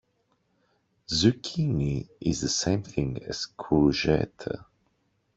Zucchini is the same thing as courgette